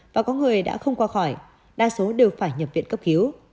và có người đã không qua khỏi đa số đều phải nhập viện cấp cứu